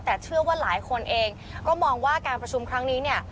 แต่เชื่อว่าหลายคนเองก็มองว่าการประชุมครั้งนี้เนี่ย